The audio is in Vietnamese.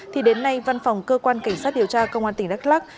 thì đến nay văn phòng cơ quan cảnh sát điều tra công an tỉnh đắk lắc